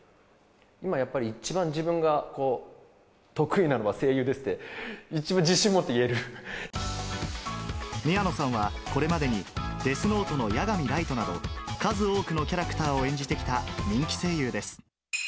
今やっぱり、一番自分が得意なのは声優ですって、自信持って言え宮野さんは、これまでにデスノートの夜神月など、数多くのキャラクターを演じてきた人気声優です。